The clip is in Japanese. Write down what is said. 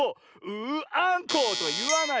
「ううアンコウ！」といわない。